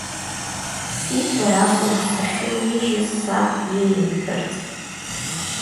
Сиҳәар акәын сахьынижьыз саб иеимҳәарц.